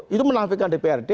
itu menafikan dprd